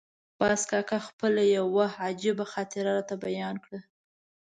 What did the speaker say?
باز کاکا خپله یوه عجیبه خاطره راته بیان کړه.